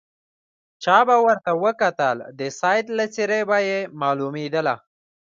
چا به ورته وکتل د سید له څېرې به یې معلومېدله.